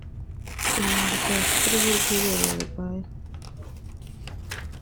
Guhinduka k’uruhu rw’ibere rirwaye